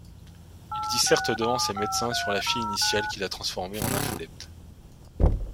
Il disserte devant ses médecins sur la fille initiale qui l'a transformé en nympholepte.